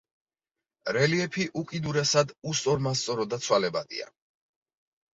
რელიეფი უკიდურესად უსწორმასწორო და ცვალებადია.